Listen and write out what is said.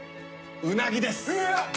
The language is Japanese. うなぎです！